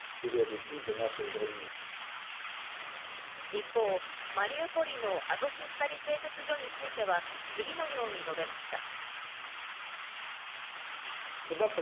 一方、マリウポリのアゾフスタリ製鉄所については次のように述べました。